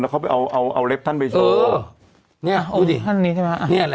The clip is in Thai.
แล้วเขาไปเอาเอาเอาเล็กท่านไปเออเนี้ยดูสิท่านนี้ใช่ไหมนี่แหละ